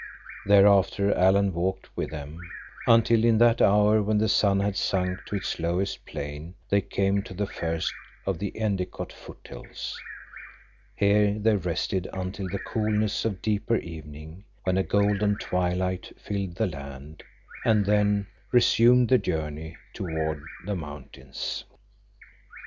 Thereafter Alan walked with them, until in that hour when the sun had sunk to its lowest plane they came to the first of the Endicott foothills. Here they rested until the coolness of deeper evening, when a golden twilight filled the land, and then resumed the journey toward the mountains.